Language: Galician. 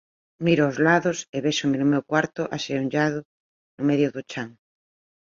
Miro aos lados e véxome no meu cuarto axeonllado no medio do chan.